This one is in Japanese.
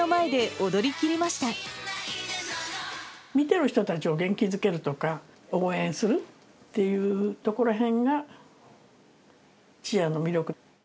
見てる人たちを元気づけるとか、応援するっていうとこらへんがチアの魅力。